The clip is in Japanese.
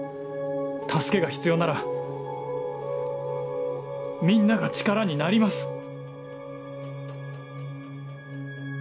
助けが必要ならみんなが力になります。